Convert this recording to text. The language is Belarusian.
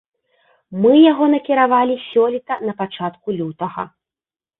Мы яго накіравалі сёлета на пачатку лютага.